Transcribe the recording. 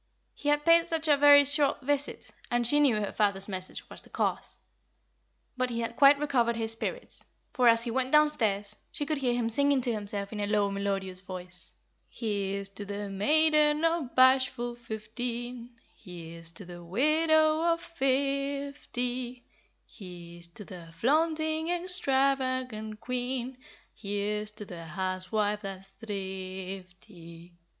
He had paid such a very short visit, and she knew her father's message was the cause. But he had quite recovered his spirits, for, as he went downstairs, she could hear him singing to himself in a low, melodious voice: "'Here's to the maiden of bashful fifteen, Here's to the widow of fifty, Here's to the flaunting, extravagant quean, And here's to the housewife that's thrifty.